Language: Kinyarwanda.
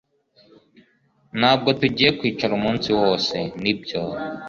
Ntabwo tugiye kwicara umunsi wose nibyo